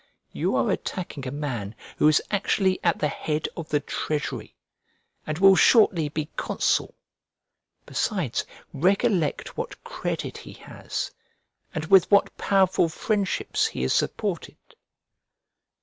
You are attacking a man who is actually at the head of the treasury, and will shortly be consul. Besides, recollect what credit he has, and with what powerful friendships he is supported?"